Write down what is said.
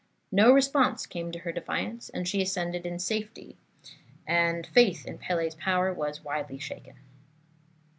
No response came to her defiance, she descended in safety, and faith in Pele's power was widely shaken.